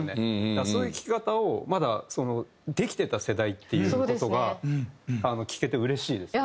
だからそういう聴き方をまだできてた世代っていう事が聞けてうれしいです。